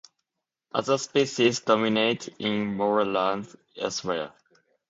Other species dominate in moorlands elsewhere.